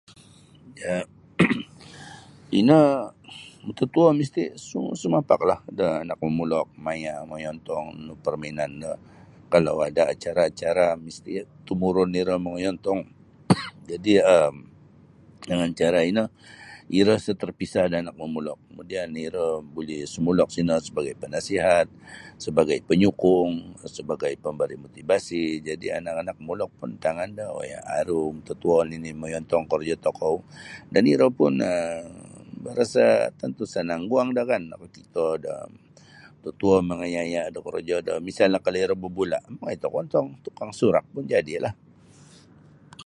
Da ino mututuo misti sumapaklah da anak momulok maya mongoi ontong da permainan do kalau ada acara-acara misti tumurun iro mongoi ontong dengan cara ino iro sa terpisah da anak momulok kemudian iro buli sumulok sino sebagai penasihat sebagai panyukung sebagai pamberi motivasi jadi anak-anak momulok pun antangan do oi aru mututuo mongoi ontong korojo tokou dan iro pun tantu sanang guang do kan nakakito da mututuo mongoi aya' do korojo do misalnyo kalau iro babula' mongoi tokou ontong tukang sorak pun jadilah.